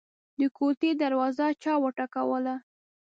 د کوټې دروازه چا وټکوله.